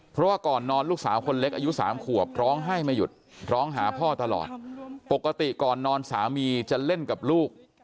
เพราะว่าก่อนนอนลูกสาวคนเล็กอายุ๓ขวบร้องไห้ไม่หยุดร้องหาพ่อตลอดปกติก่อนนอนสามีจะเล่นกับลูก